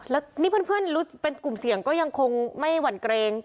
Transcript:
แล้วนี่เพื่อนเป็นกลุ่มเสี่ยงก็ยังคงไม่หวั่นเกรง